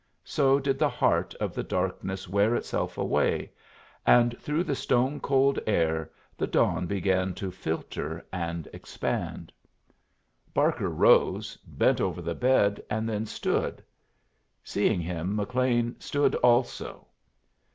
So did the heart of the darkness wear itself away, and through the stone cold air the dawn began to filter and expand. Barker rose, bent over the bed, and then stood. Seeing him, McLean stood also.